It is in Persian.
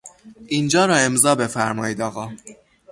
اینجا را امضا بفرمایید آقا.